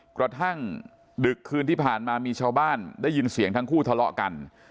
กระทั่งดึกคืนที่ผ่านมามีชาวบ้านได้ยินเสียงทั้งคู่ทะเลาะกัน